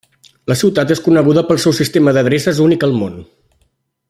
La ciutat és coneguda pel seu sistema d'adreces únic al món.